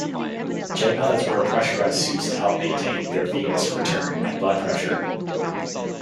Jet pilots wear pressurized suits to help maintain their venous return and blood pressure.